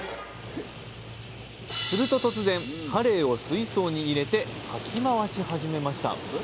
すると突然カレイを水槽に入れてかき回し始めました！